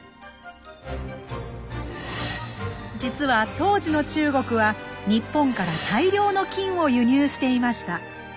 実は当時の中国は日本から大量の金を輸入していました。